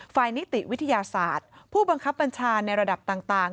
นิติวิทยาศาสตร์ผู้บังคับบัญชาในระดับต่าง